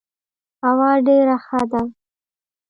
هوا ډيره ښه ده.